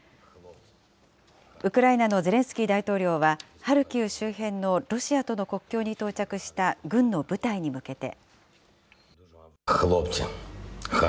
ウクライナのゼレンスキー大統領はハルキウ周辺のロシアとの国境に到着した軍の部隊に向けて。